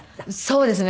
そうですね。